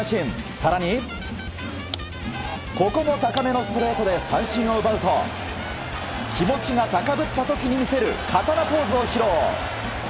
更に、ここも高めのストレートで三振を奪うと気持ちが高ぶった時に見せる刀ポーズを披露。